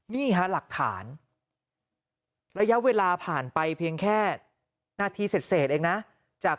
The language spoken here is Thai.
นี่ฮะหลักฐานระยะเวลาผ่านไปเพียงแค่นาทีเสร็จเองนะจาก